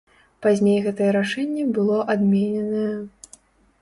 Пазней гэта рашэнне было адмененае.